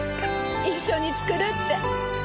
一緒に作るって。